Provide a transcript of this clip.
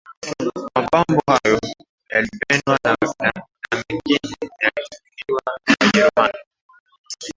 Mapambo hayo yalipendwa na mengine yalichukuliwa na Wajerumani